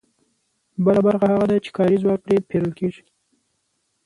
بله برخه هغه ده چې کاري ځواک پرې پېرل کېږي